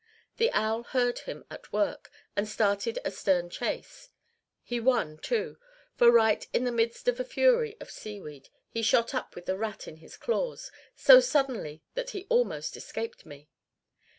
The owl heard him at work, and started a stern chase. He won, too, for right in the midst of a fury of seaweed he shot up with the rat in his claws so suddenly that he almost escaped me.